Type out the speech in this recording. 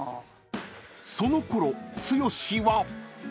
［そのころ剛は］